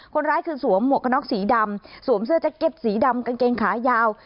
คนร้ายคือสวมหมวกกระน็อกสีดำสวมเสื้อแจ็คเก็ตสีดำกางเกงขายาว